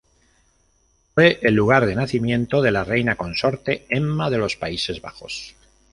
Fue el lugar de nacimiento de la reina consorte Emma de los Países Bajos.